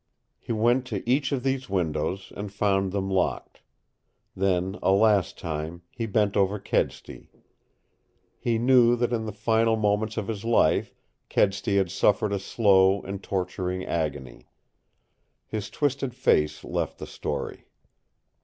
He went to each of these windows and found them locked. Then, a last time, he bent over Kedsty. He knew that in the final moments of his life Kedsty had suffered a slow and torturing agony. His twisted face left the story.